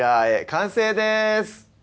完成です